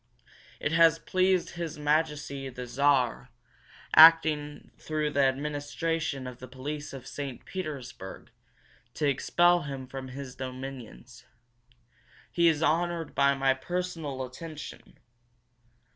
"It has pleased His Majesty the Czar, acting through the administration of the police of St. Petersburg, to expel him from his dominions. He is honored by my personal attention.